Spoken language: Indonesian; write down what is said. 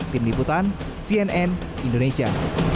tim liputan cnn indonesia